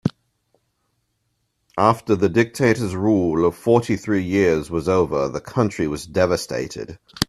After the dictator's rule of fourty three years was over, the country was devastated.